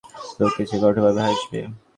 লোকে যে বড়োঠাকুরকে নিয়ে হাসবে।